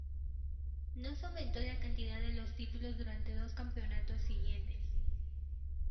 No se aumentó la cantidad de los títulos durante dos campeonatos siguientes.